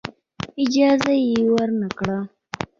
اجازه یې ورنه کړه.